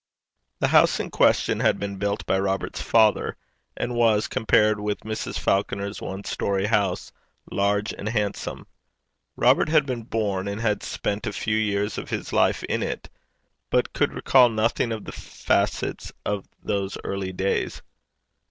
The house in question had been built by Robert's father, and was, compared with Mrs. Falconer's one storey house, large and handsome. Robert had been born, and had spent a few years of his life in it, but could recall nothing of the facts of those early days.